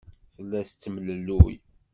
Tella tettemlelluy.